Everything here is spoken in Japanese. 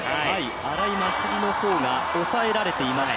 荒井祭里の方が抑えられていました。